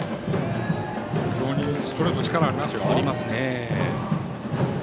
非常にストレート力がありますよ。